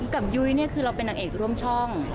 ยุ้ยเนี่ยคือเราเป็นนางเอกร่วมช่อง